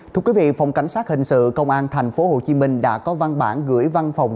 thưa quý vị phòng cảnh sát hình sự công an tp hcm đã có văn bản gửi văn phòng